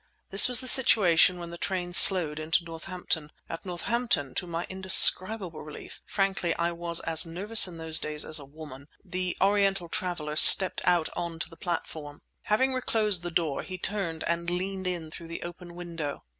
This was the situation when the train slowed into Northampton. At Northampton, to my indescribable relief (frankly, I was as nervous in those days as a woman), the Oriental traveller stepped out on to the platform. Having reclosed the door, he turned and leaned in through the open window.